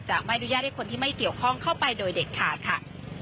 ไม่อนุญาตให้คนที่ไม่เกี่ยวข้องเข้าไปโดยเด็ดขาดค่ะ